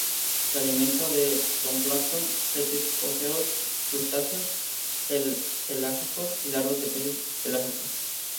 Se alimenta de zooplancton, peces óseos, crustáceos pelágicos y larvas de peces pelágicos.